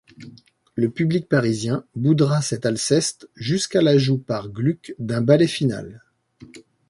Le public parisien boudera cet Alceste jusqu'à l'ajout par Gluck d'un ballet final.